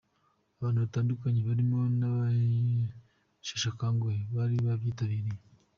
Abantu batandukanye barimo n'abasheshakanguhe bari babyitabiriye.